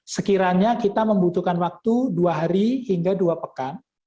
sekiranya kita membutuhkan waktu dua hari hingga dua pekan